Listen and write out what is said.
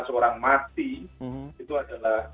seorang mati itu adalah